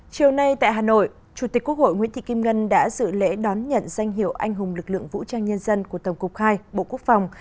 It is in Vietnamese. chiều nay tại hà nội chủ tịch quốc hội nguyễn thị kim ngân đã dự lễ đón nhận danh hiệu anh hùng lực lượng vũ trang nhân dân của tổng cục hai bộ quốc phòng